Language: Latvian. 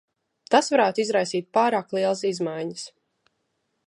Tas varētu izraisīt pārāk lielas izmaiņas.